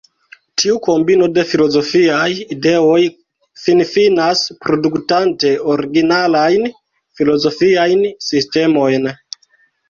Tiu kombino de filozofiaj ideoj finfinas produktante originalajn filozofiajn sistemojn.